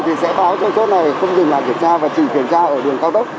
thì sẽ báo cho chốt này không dừng là kiểm tra và chỉ kiểm tra ở đường cao tốc